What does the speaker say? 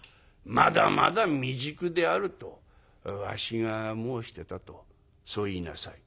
『まだまだ未熟である』とわしが申してたとそう言いなさい」。